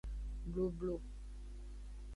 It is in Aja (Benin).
Blublu.